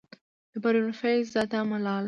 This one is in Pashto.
د پروين فيض زاده ملال،